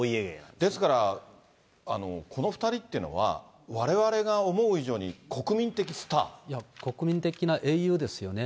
ですから、この２人っていうのは、われわれが思う以上に国民国民的な英雄ですよね。